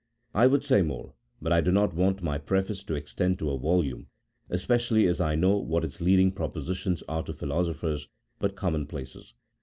I would say more, but I do not want my preface to extend to a volume, especially as I know that its leading propositions are to Philosophers but common places.